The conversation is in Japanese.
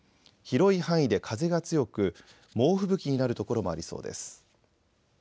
広い範囲で風が強く猛吹雪になる所もありそうです。